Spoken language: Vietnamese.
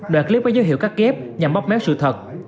đoạn clip có dấu hiệu cắt kép nhằm bóp méo sự thật